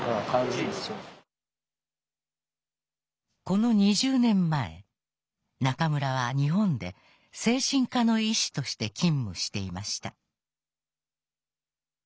この２０年前、中村は日本で精神科の医師として勤務していました。